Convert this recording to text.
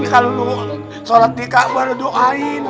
ini kalau lo sholat dika baru doain